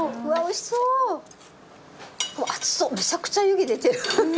熱そうめちゃくちゃ湯気出てる。